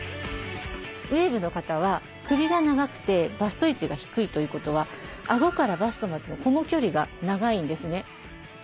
ウエーブの方は首が長くてバスト位置が低いということはあごからバストまでのこの距離が長いんですね。